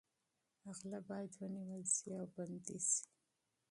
غله باید ونیول شي او بندي شي.